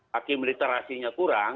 hakim literasinya kurang